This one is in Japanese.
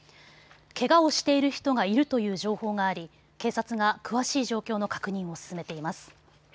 けがをしている人がいるという情報があり警察が詳しい状況の確認を進めています。